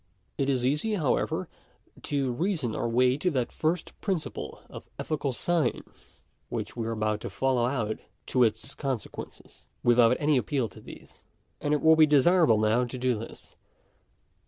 It is easy, however, . to reason our way to that first principle of ethical science which we are about to follow out to its consequences, without any appeal to these. And it will be desirable now to do this.